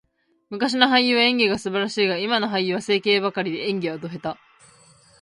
昔の俳優は演技が素晴らしいが、今の俳優は整形ばかりで、演技はド下手。